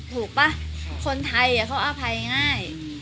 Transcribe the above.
ถูกป่ะใช่คนไทยอ่ะเขาอภัยง่ายอืม